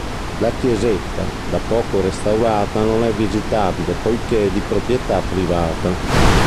La chiesetta, da poco restaurata, non è visitabile poiché è di proprietà privata.